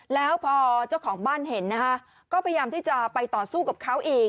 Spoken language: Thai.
แล้วพอเจ้าของบ้านเห็นนะคะก็พยายามที่จะไปต่อสู้กับเขาอีก